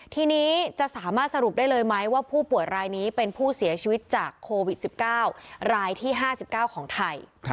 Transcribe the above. ทีนี้จะสามารถสรุปได้เลยไหมว่าผู้ป่วยรายนี้เป็นผู้เสียชีวิตจากโควิด๑๙รายที่๕๙ของไทย